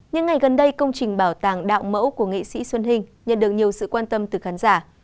những ngày gần đây công trình bảo tàng đạo mẫu của nghệ sĩ xuân hình nhận được nhiều sự quan tâm từ khán giả